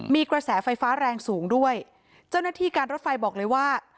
มีกระแสไฟฟ้าแรงสูงด้วยเจ้าหน้าที่การรถไฟบอกเลยว่า